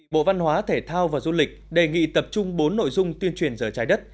bộ văn hóa thể thao và du lịch đề nghị tập trung bốn nội dung tuyên truyền giờ trái đất